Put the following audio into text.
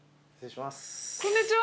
こんにちは。